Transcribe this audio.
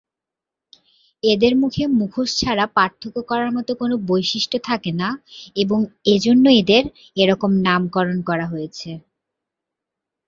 এদের মুখে মুখোশ ছাড়া পার্থক্য করার মতো কোনো বৈশিষ্ট্য থাকে না এবং এজন্য এদের এরকম নামকরণ করা হয়েছে।